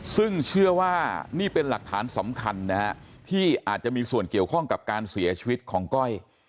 ซึ่งเชื่อว่านี่เป็นหลักฐานสำคัญนะฮะที่อาจจะมีส่วนเกี่ยวข้องกับการเสียชีวิตของก้อย